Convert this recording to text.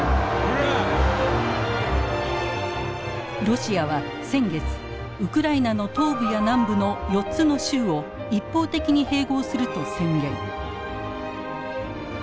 ロシアは先月ウクライナの東部や南部の４つの州を一方的に併合すると宣言。